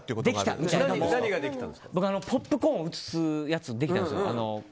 ポップコーンを移すやつできたんです。